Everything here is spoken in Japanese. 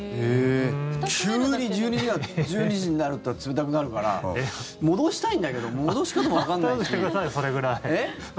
急に１２時になると冷たくなるから戻したいんだけど戻し方もわかんないし。